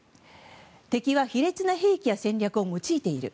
敵は卑劣な兵器や戦略を用いている。